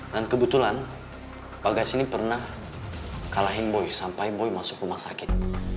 dan kebetulan bagas ini pernah kalahin boy sampai boy masuk rumah sakit